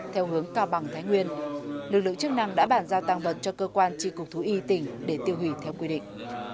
theo hướng cao bằng thái nguyên lực lượng chương năng đã bản giao tăng vận cho cơ quan tri cục thú y tỉnh để tiêu hủy theo quy định